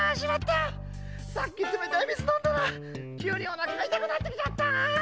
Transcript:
さっきつめたいみずのんだらきゅうにおなかがいたくなってきちゃったな！